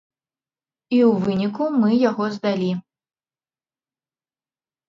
І ў выніку мы яго здалі.